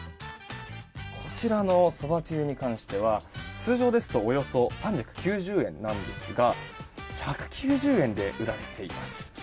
こちらのそばつゆは通常３９０円なんですが１９０円で売られています。